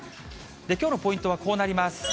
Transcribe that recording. きょうのポイントはこうなります。